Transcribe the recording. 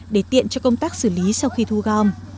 để tiện cho công tác xử lý sau khi thu gom